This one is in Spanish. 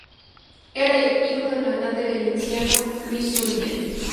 Era hijo del magnate valenciano Luis Suñer.